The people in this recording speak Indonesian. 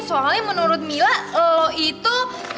soalnya menurut mila lo itu